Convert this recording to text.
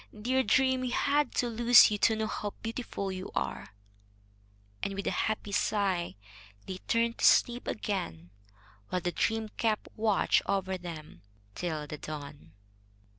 "Dear dream, we had to lose you to know how beautiful you are!" And with a happy sigh they turned to sleep again, while the dream kept watch over them till the dawn.